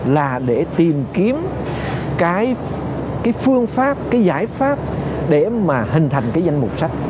là để tìm kiếm cái phương pháp cái giải pháp để mà hình thành cái danh mục sách